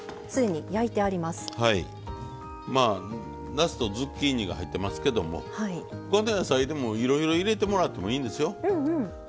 なすとズッキーニが入ってますけども他の野菜でもいろいろ入れてもらってもいいんですよ。